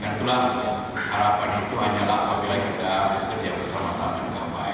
dan itulah harapan itu hanyalah apabila kita bekerja bersama sama dengan baik